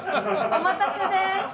お待たせです！